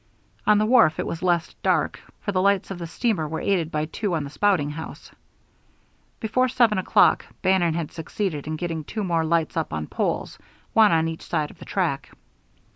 On the wharf it was less dark, for the lights of the steamer were aided by two on the spouting house. Before seven o'clock Bannon had succeeded in getting two more lights up on poles, one on each side of the track.